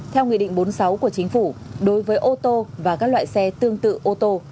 theo nghị định bốn mươi sáu của chính phủ đối với ô tô và các loại xe tương tự ô tô